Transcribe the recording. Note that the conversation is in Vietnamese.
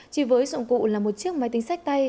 chỉ với dụng cụ là một chiếc máy tính sách tay